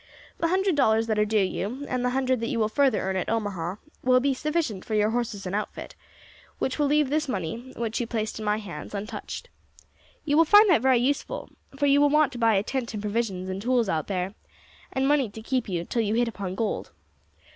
The hundred dollars that are due to you, and the hundred that you will further earn at Omaha, will be sufficient for your horses and outfit, which will leave this money which you placed in my hands untouched. You will find that very useful, for you will want to buy a tent and provisions and tools out there, and money to keep you till you hit upon gold.